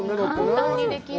簡単にできる。